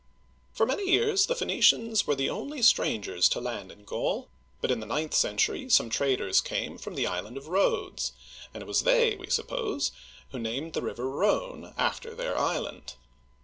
For many years the Phoenicians were the only strangers to land in Gaul, but in the ninth century some traders came from the island of Rhodes, and it was they, we suppose, who named the river Rhone after their island.